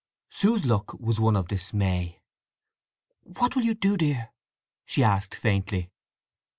Sue's look was one of dismay. "What will you do, dear?" she asked faintly.